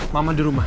mama di rumah